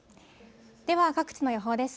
では各地の予報です。